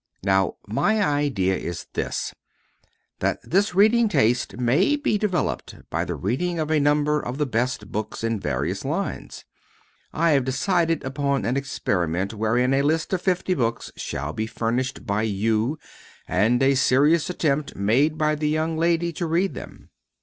Now, my idea is this: that this reading taste may be developed by the reading of a number of the best books in various lines. I have decided upon an experiment wherein a list of fifty books shall be furnished by you and a serious attempt made by the young lady to read them.